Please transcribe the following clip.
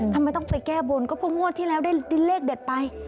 ทำไมต้องไปแก้บนก็เพราะงวดที่แล้วได้เลขเด็ดไป